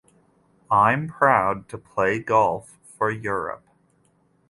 I'm proud to play golf for Europe.